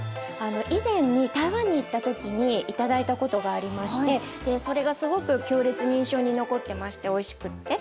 以前に台湾に行った時に頂いたことがありましてそれがすごく強烈に印象に残ってましておいしくって。